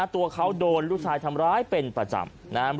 ตัวเขาโดนลูกชายทำร้ายเป็นประจำนะครับ